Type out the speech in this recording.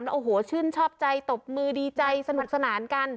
โอ้โหชื่นชอบใจตบมือดีใจสนุกสนานกัน